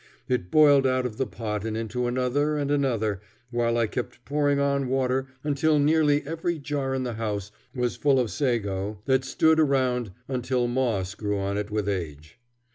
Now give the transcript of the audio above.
It boiled out of the pot and into another and another, while I kept pouring on water until nearly every jar in the house was full of sago that stood around until moss grew on it with age.